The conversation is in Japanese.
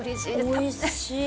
おいしい！